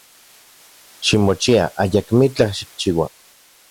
Ximochia, ayakmitlaj xikchiua.